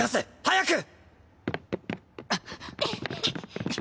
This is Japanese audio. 早く！